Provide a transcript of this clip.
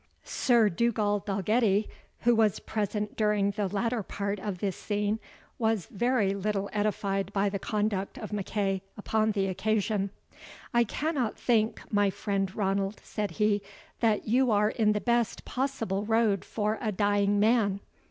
Sir Dugald Dalgetty, who was present during the latter part of this scene, was very little edified by the conduct of MacEagh upon the occasion. "I cannot think, my friend Ranald," said he, "that you are in the best possible road for a dying man.